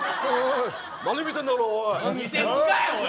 何見てんだおらおい。